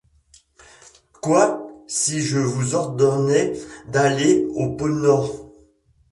Quoi! si je vous ordonnais d’aller au pôle Nord !